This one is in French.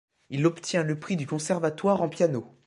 Il obtient le prix du Conservatoire en piano.